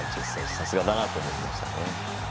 さすがだなと思いましたね。